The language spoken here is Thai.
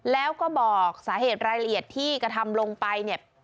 แล้วก็บอกสาเหตุรายละเอียดที่กระทำลงไปเนี่ย